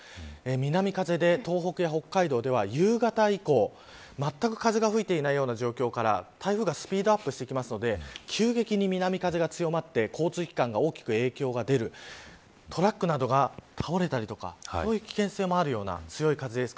南風で東北、北海道では夕方以降まったく風が吹いていないような状況から台風がスピードアップしてくるので急激に南風が強まって交通機関に大きく影響が出るトラックなどが倒れたりとかそういう危険性もあるような強い風です。